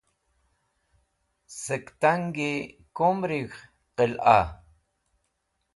Sẽk tangi kumrig̃h qila?